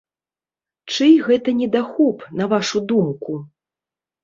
Чый гэта недахоп, на вашу думку?